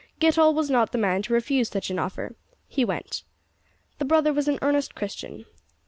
Getall was not the man to refuse such an offer. He went. The brother was an earnest Christian.